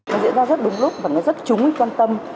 nó diễn ra rất đúng lúc và nó rất trúng quan tâm